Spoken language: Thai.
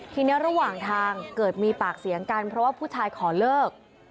ทีนี้ระหว่างทางเกิดมีปากเสียงกันเพราะว่าผู้ชายขอเลิก